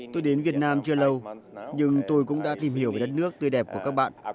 tôi đến việt nam chưa lâu nhưng tôi cũng đã tìm hiểu đất nước tươi đẹp của các bạn